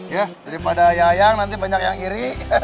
ya daripada yayang nanti banyak yang iri